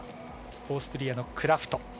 オーストリアのクラフト。